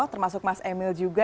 termasuk mas emil juga